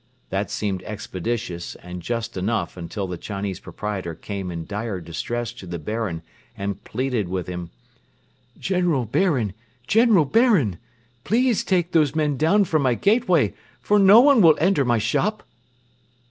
That seemed expeditious and just enough until the Chinese proprietor came in dire distress to the Baron and plead with him: "General Baron! General Baron! Please take those men down from my gateway, for no one will enter my shop!"